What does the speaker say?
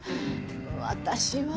私は。